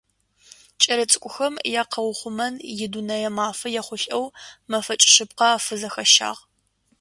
Кӏэлэцӏыкӏухэм якъэухъумэн и Дунэе мафэ ехъулӏэу мэфэкӏ шъыпкъэ афызэхащагъ.